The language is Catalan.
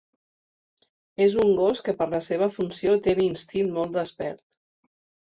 És un gos que per la seva funció té l'instint molt despert.